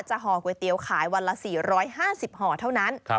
ห่อก๋วยเตี๋ยวขายวันละ๔๕๐ห่อเท่านั้น